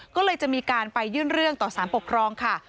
ก็เลยจะมีการไปยื่นเรื่องต่อสารปกครองค่ะ